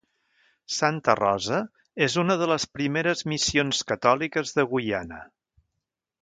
Santa Rosa és una de les primeres missions catòliques de Guyana.